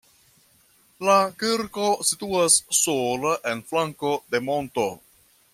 La kirko situas sola en flanko de monto.